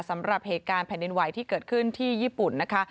สำหรับเหตุการณ์แผ่นดินไหวที่เกิดขึ้นที่ญี่ปุ่นนะคะ